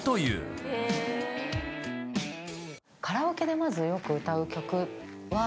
カラオケでまずよく歌う曲は？